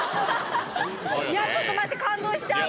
いやちょっと待って感動しちゃう！